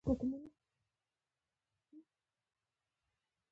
ازادي راډیو د هنر د منفي اړخونو یادونه کړې.